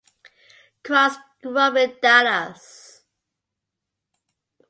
Kraus grew up in Dallas.